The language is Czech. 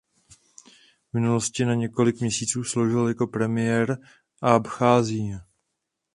V minulosti na několik měsíců sloužil jako premiér Abcházie.